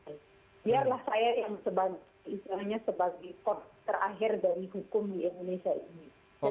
tidak ingin ada nuril nuril lagi